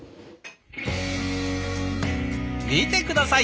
見て下さい！